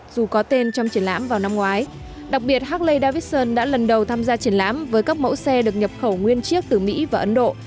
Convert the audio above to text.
dù có tên trong triển lãm vào năm ngoái đặc biệt harley davidson đã lần đầu tham gia triển lãm với các mẫu xe được nhập khẩu nguyên chiếc từ mỹ và ấn độ